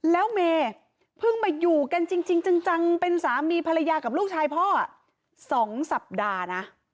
แล้วเมย์เพิ่งมาอยู่กันจริงจังเป็นสามีภรรยากับลูกชายพ่อ๒สัปดาห์นะ